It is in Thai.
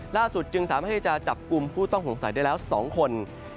จึงสามารถที่จะจับกลุ่มผู้ต้องสงสัยได้แล้ว๒คน